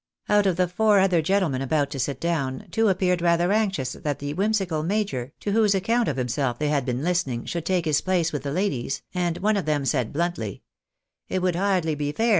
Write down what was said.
Out of the four other gentlemen about to sit down, two ap peared rather anxious that the whimsical major, to whose account of himself they had been listening, should take his place with the ladies, and one of them said bluntly —" It would hardly be fair.